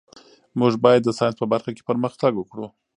موږ باید د ساینس په برخه کې پرمختګ وکړو.